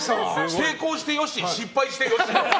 成功してよし、失敗してよし。